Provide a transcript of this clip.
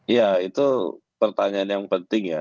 ya itu pertanyaan yang penting ya